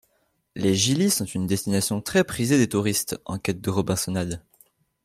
Les Gili sont une destination très prisée des touristes en quête de robinsonades.